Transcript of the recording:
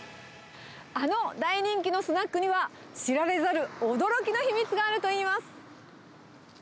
あの大人気のスナックには、知られざる驚きの秘密があるといいます。